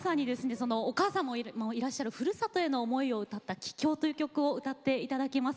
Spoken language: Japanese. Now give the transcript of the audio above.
そのお母様もいらっしゃるふるさとへの思いを歌った「帰郷」という曲を歌って頂きます。